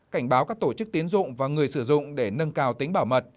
cảnh báo các tổ chức tiến dụng và người sử dụng để nâng cao tính bảo mật